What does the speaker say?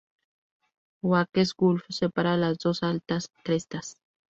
Oakes Gulf separa las dos altas crestas.